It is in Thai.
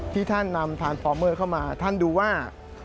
ที่ท่านนำทานฟอร์เมอร์เข้ามาท่านดูว่า